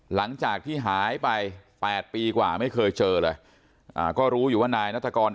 หลังจากที่หายไปแปดปีกว่าไม่เคยเจอเลยอ่าก็รู้อยู่ว่านายนัฐกร